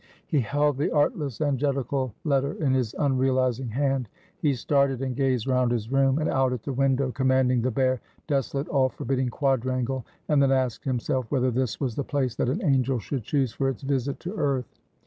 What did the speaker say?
He held the artless, angelical letter in his unrealizing hand; he started, and gazed round his room, and out at the window, commanding the bare, desolate, all forbidding quadrangle, and then asked himself whether this was the place that an angel should choose for its visit to earth.